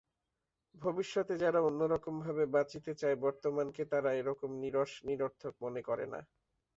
ভবিষ্যতে যারা অন্যরকমভাবে বাঁচিতে চায় বর্তমানকে তারা এরকম নীরস, নিরর্থক মনে করে না।